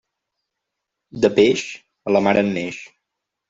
De peix, a la mar en neix.